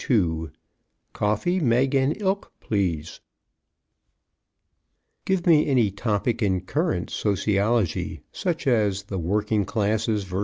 II "COFFEE, MEGG AND ILK, PLEASE" Give me any topic in current sociology, such as "The Working Classes _vs.